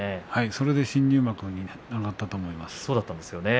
それで新入幕になったと思います。